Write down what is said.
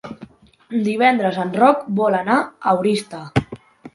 Divendres en Roc vol anar a Oristà.